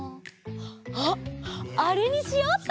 あっあれにしようっと！